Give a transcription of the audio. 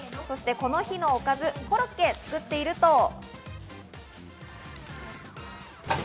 そしてこの日のおかず、コロッケを作っていると。